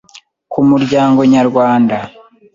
ku muryango nyarwanda.